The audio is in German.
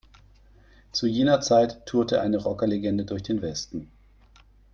Zu jener Zeit tourte eine Rockerlegende durch den Westen.